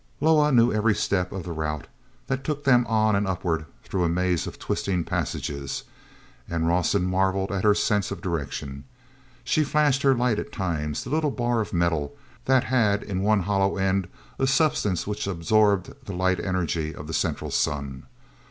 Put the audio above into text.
Loah knew every step of the route that took them on and upward through a maze of twisting passages, and Rawson marveled at her sense of direction. She flashed her light at times—the little bar of metal that had in one hollow end a substance which absorbed the light energy of the Central Sun.